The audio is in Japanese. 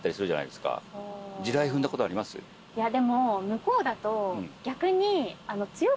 いやでも向こうだと逆に。